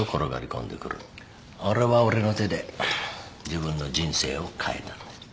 俺は俺の手で自分の人生を変えたんだ。